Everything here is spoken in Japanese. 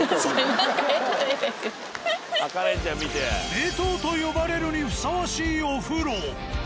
名湯と呼ばれるにふさわしいお風呂。